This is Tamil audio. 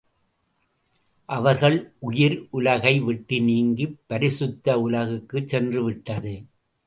அவர்கள் உயிர் உலகை விட்டு நீங்கிப் பரிசுத்த உலகுக்குச் சென்று விட்டது.